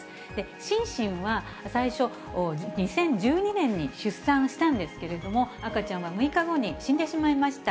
シンシンは最初、２０１２年に出産したんですけれども、赤ちゃんは６日後に死んでしまいました。